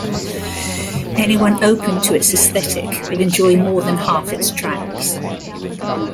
Anyone open to its aesthetic will enjoy more than half its tracks.